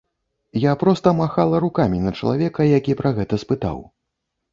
Я проста махала рукамі на чалавека, які пра гэта спытаў.